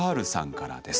からです。